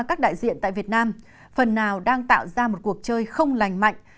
các đại diện tại việt nam phần nào đang tạo ra một cuộc chơi không lành mạnh